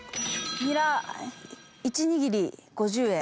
「ニラ１握り５０円」